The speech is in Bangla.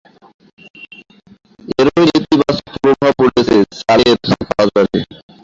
এরই নেতিবাচক প্রভাব পড়েছে চালের বাজারে।